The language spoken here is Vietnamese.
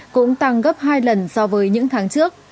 cũng tăng gấp hai lần so với những tháng trước